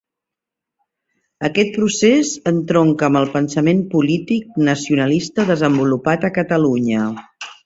Aquest procés entronca amb el pensament polític nacionalista desenvolupat a Catalunya.